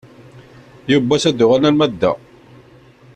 Yiwen n wass ad d-uɣalen alamma d da.